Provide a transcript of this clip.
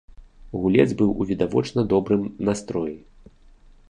Гулец быў у відавочна добрым настроі.